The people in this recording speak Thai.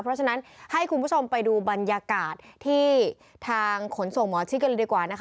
เพราะฉะนั้นให้คุณผู้ชมไปดูบรรยากาศที่ทางขนส่งหมอชิดกันเลยดีกว่านะคะ